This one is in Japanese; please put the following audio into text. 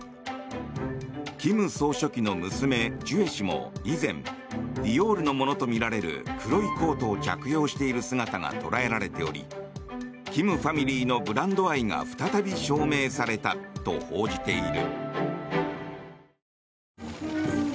金総書記の娘・ジュエ氏も以前、ディオールのものとみられる黒いコートを着用している姿が捉えられており金ファミリーのブランド愛が再び証明されたと報じている。